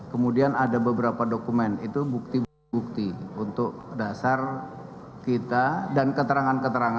kemudian ada beberapa dokumen itu bukti bukti untuk dasar kita dan keterangan keterangan